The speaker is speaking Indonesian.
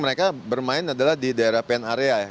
mereka bermain adalah di daerah pen area ya